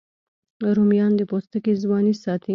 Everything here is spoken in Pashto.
رومیان د پوستکي ځواني ساتي